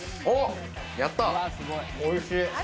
おいしい！